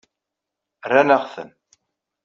Rran-aɣ-ten.